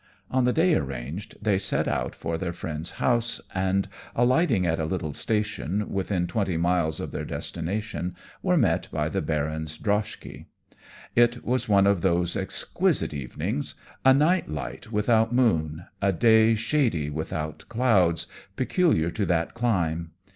On the day arranged, they set out for their friends' house, and alighting at a little station, within twenty miles of their destination, were met by the Baron's droshky. It was one of those exquisite evenings a night light without moon, a day shady without clouds peculiar to that clime.